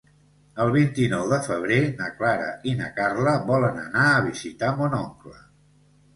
El vint-i-nou de febrer na Clara i na Carla volen anar a visitar mon oncle.